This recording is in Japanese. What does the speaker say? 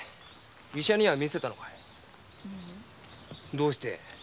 どうして？